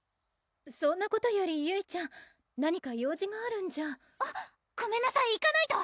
そんなことよりゆいちゃん何か用事があるんじゃあっごめんなさい行かないと！